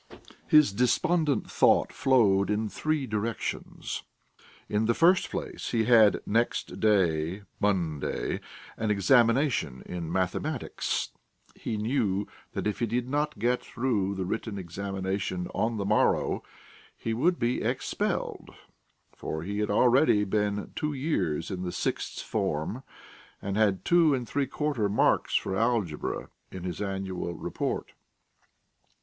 His despondent thought flowed in three directions. In the first place, he had next day, Monday, an examination in mathematics; he knew that if he did not get through the written examination on the morrow, he would be expelled, for he had already been two years in the sixth form and had two and three quarter marks for algebra in his annual report.